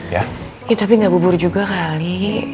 ya tapi nggak bubur juga kali